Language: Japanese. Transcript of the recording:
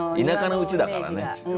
田舎のうちだからね。